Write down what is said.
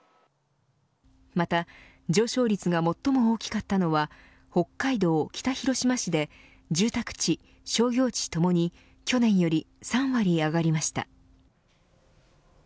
また上昇率が最も大きかったのは北海道・北広島市で住宅地、商業地ともに去年より３割上がりました。